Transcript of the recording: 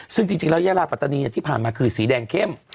ซึ่งจริงแล้วยาลาปัตตานีที่ผ่านมาคือสีแดงเข้ม